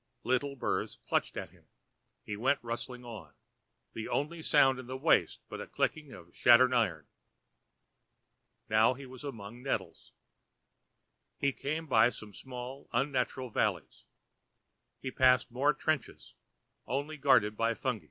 Little burrs clutched at him; he went rustling on, the only sound in the waste but the clicking of shattered iron. Now he was among nettles. He came by many small unnatural valleys. He passed more trenches only guarded by fungi.